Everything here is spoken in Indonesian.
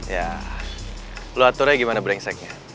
ya lo aturnya gimana brengseknya